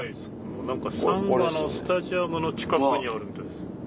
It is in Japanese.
何かサンガのスタジアムの近くにあるみたいです。